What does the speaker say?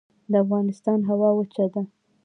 د افغانستان هوا وچه ده